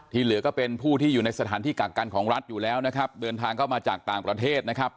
เหลือก็เป็นผู้ที่อยู่ในสถานที่กักกันของรัฐอยู่แล้วนะครับเดินทางเข้ามาจากต่างประเทศนะครับ